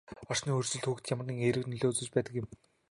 Орчны өөрчлөлт хүүхдэд ямагт эерэг нөлөө үзүүлж байдаг юм.